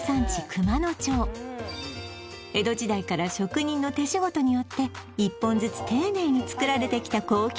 熊野町江戸時代から職人の手仕事によって一本ずつ丁寧に作られてきた高級品で